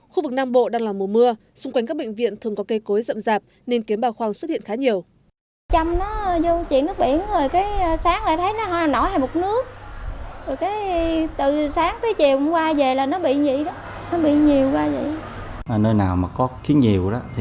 khu vực nam bộ đang là mùa mưa xung quanh các bệnh viện thường có cây cối rậm rạp nên kiến bà khoang xuất hiện khá nhiều